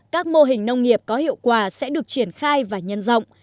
các mô hình nông nghiệp có hiệu quả sẽ được triển khai và nhân rộng